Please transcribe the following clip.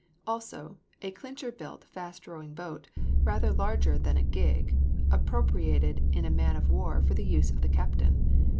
Also, a clincher built fast rowing boat, rather larger than a gig, appropriated in a man of war for the use of the captain.